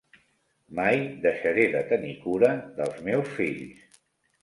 Mai deixaré de tenir cura dels meus fills.